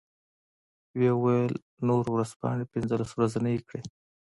و یې ویل نورو ورځپاڼې پنځلس ورځنۍ کړې.